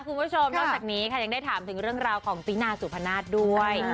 คุณผู้ชมนอกจากนี้ค่ะยังได้ถามถึงเรื่องราวของตินาสุพนาศด้วย